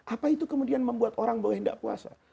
apa itu kemudian membuat orang boleh tidak puasa